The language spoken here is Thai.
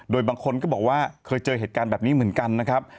โดยบางคนก็บอกว่าเคยเจอเหตุการณ์แบบนี้เหมือนกันนะครับ